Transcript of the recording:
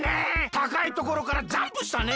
たかいところからジャンプしたね！